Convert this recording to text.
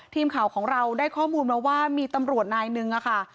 ทีมข่าวของเราได้ข้อมูลมาว่ามีตำรวจนายนึงค่ะ